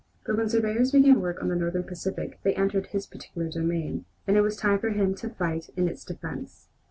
But when surveyors began work on the Northern Pacific, they entered his particular domain, and it was time for him to fight in its defence.